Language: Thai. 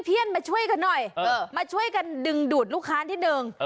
เพื่อนมาช่วยกันหน่อยมาช่วยกันดึงดูดลูกค้านิดนึง